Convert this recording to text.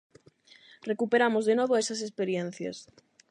Recuperamos de novo esas experiencias.